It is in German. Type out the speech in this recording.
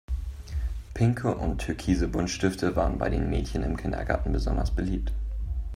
Pinke und türkise Buntstifte waren bei den Mädchen im Kindergarten besonders beliebt.